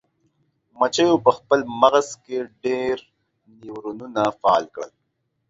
مچیو په خپل مغز کې ډیر نیورونونه فعال کړل.